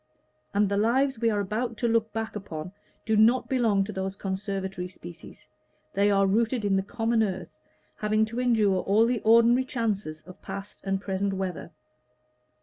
And the lives we are about to look back upon do not belong to those conservatory species; they are rooted in the common earth, having to endure all the ordinary chances of past and present weather.